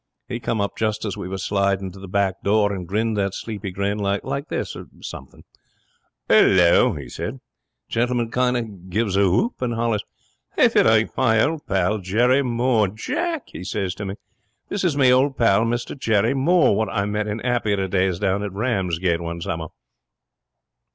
He come up just as we was sliding to the back door, and grins that sleepy grin. Like this something. "'Ullo!" he says. Gentleman kind of gives a whoop, and hollers, "If it ain't my old pal, Jerry Moore! Jack," he says to me, "this is my old pal, Mr Jerry Moore, wot I met in 'appier days down at Ramsgate one summer."